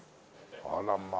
あらまあ。